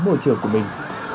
môi trường của mình